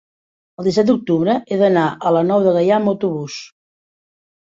el disset d'octubre he d'anar a la Nou de Gaià amb autobús.